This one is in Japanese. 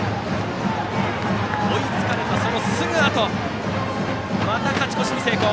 追いつかれた、そのすぐあとまた勝ち越しに成功。